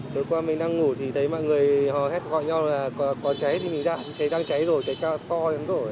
tối qua mình đang ngủ thì thấy mọi người họ hét gọi nhau là có cháy thì mình ra cháy đang cháy rồi cháy to đến rồi